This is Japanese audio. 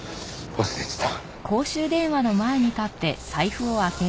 忘れてた。